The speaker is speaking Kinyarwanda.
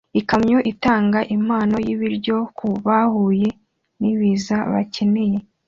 Ikamyo itanga impano y'ibiryo ku bahuye n'ibiza bakeneye